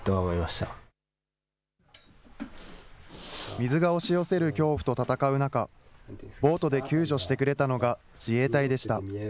水が押し寄せる恐怖と闘う中、ボートで救助してくれたのが自衛隊でした。